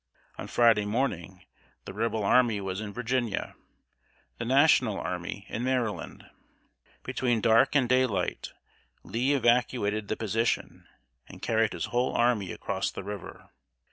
On Friday morning the Rebel army was in Virginia, the National army in Maryland. Between dark and daylight, Lee evacuated the position, and carried his whole army across the river.